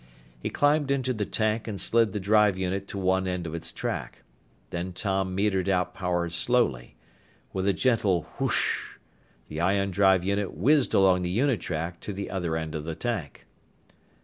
He climbed into the tank and slid the drive unit to one end of its track. Then Tom metered out power slowly. With a gentle whoosh, the ion drive unit whizzed along the unitrack to the other end of the tank.